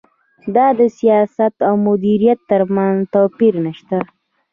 دا د سیاست او مدیریت ترمنځ توپیر نشته.